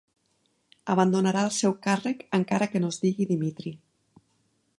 Abandonarà el seu càrrec encara que no es digui Dimitri.